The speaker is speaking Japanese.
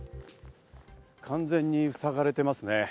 完全にふさがれてますね。